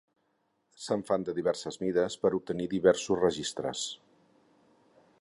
Se'n fan de diverses mides per a obtenir diversos registres.